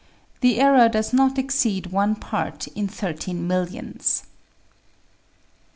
The error does not exceed one part in thirteen millions.